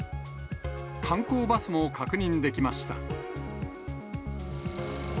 観光バスも確認できました。